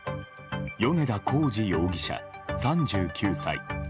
米田洪二容疑者、３９歳。